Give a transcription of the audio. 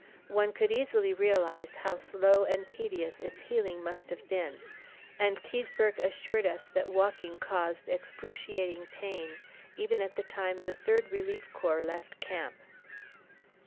One could easily realize how slow and tedious its healing must have been, and Keseberg assured us that walking caused excruciating pain even at the time the Third Relief Corps left camp.